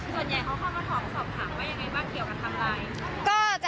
ส่วนใหญ่เขาเข้ามาขอสอบถามว่ายังไงบ้างเกี่ยวกับทำอะไร